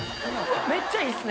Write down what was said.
めっちゃいいっすね！